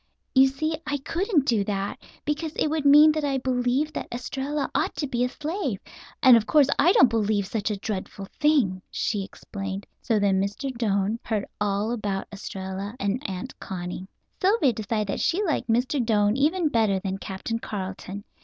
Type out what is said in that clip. "You see I couldn't do that, because it would mean that I believed that Estralla ought to be a slave, and of course I don't believe such a dreadful thing," she explained. So then Mr. Doane heard all about Estralla and Aunt Connie. Sylvia decided that she liked Mr. Doane even better than Captain Carleton.